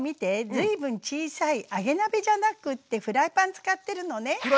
随分小さい揚げ鍋じゃなくってフライパン使ってるのね。